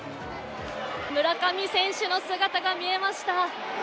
村上選手の姿が見えました。